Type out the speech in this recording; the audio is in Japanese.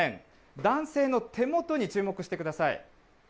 男性の手元に注目してください。